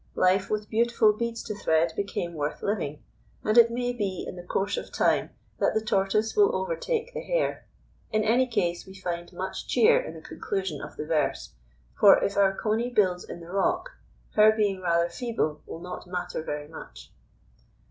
Life with beautiful beads to thread became worth living, and it may be in the course of time that the tortoise will overtake the hare. In any case we find much cheer in the conclusion of the verse, for if our Coney builds in the Rock her being rather feeble will not matter very much.